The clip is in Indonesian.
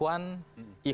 saya punya beberapa ikhwan